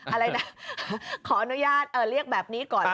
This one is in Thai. อะไรนะขออนุญาตเรียกแบบนี้ก่อน